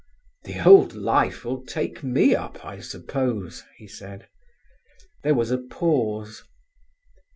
"The old life will take me up, I suppose," he said. There was a pause.